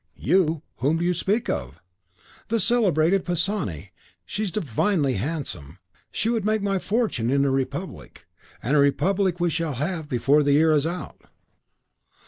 "You! Whom do you speak of?" "The celebrated Pisani! She is divinely handsome. She would make my fortune in a republic. And a republic we shall have before the year is out."